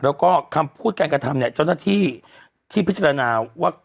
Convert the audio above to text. แล้วก็คำพูดการกระทำเนี่ยเจ้าหน้าที่ที่พิจารณาว่า